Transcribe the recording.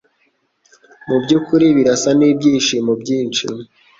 Mubyukuri birasa nibyishimo byinshi.